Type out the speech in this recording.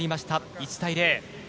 １対０。